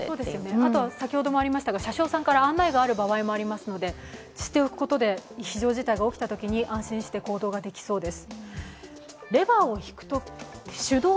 あとは車掌さんから案内がある場合もありますので知っておくことで非常事態があったときに、安心して行動ができそうです。